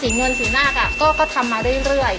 เงินสีนาคก็ทำมาเรื่อย